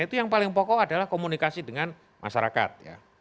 itu yang paling pokok adalah komunikasi dengan masyarakat